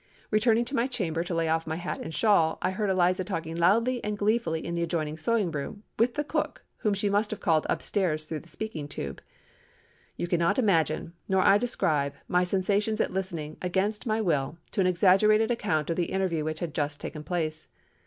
Returning to my chamber to lay off my hat and shawl, I heard Eliza talking loudly and gleefully in the adjoining sewing room, with the cook, whom she must have called up stairs through the speaking tube. You cannot imagine, nor I describe, my sensations at listening, against my will, to an exaggerated account of the interview which had just taken place.